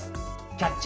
「キャッチ！